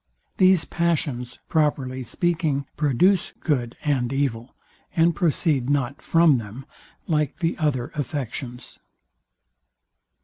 These passions, properly speaking, produce good and evil, and proceed not from them, like the other affections.